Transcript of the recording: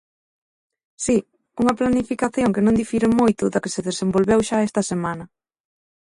Si, unha planificación que non difire moito da que se desenvolveu xa esta semana.